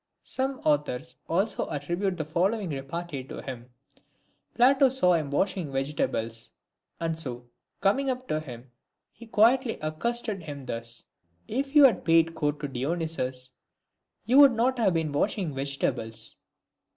Some authors also attri bute the following repartee to him. Plato saw him washing vegetables, and so, coming up to him, he quietly accosted him thus, " If you had paid court to Dionysius, you would not have been washing vegetables.''